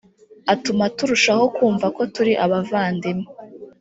atuma turushaho kumva ko turi abavandimwe